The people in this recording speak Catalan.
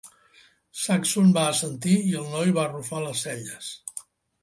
Saxon va assentir, i el noi va arrufar les celles.